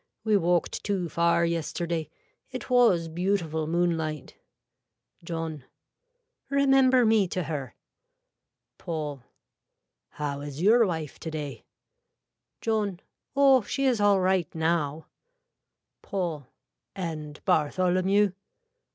We walked too far yesterday. It was beautiful moonlight. (John.) Remember me to her. (Paul.) How is your wife today. (John.) Oh she is all right now. (Paul.) And Bartholomew.